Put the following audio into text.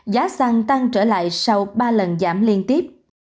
giá xăng tăng trở lại sau ba lần giảm liên tiếp